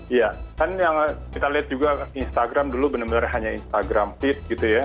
iya kan yang kita lihat juga instagram dulu benar benar hanya instagram feed gitu ya